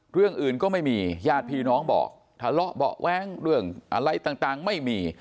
เรื่องอื่นก็ไม่มีญาติพี่น้องบอกทะเลาะเบาะแว้งเรื่องอะไรต่างไม่มี